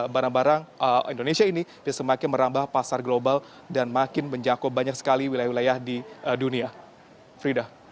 bagaimana bisa menjangkau wilayah wilayah di dunia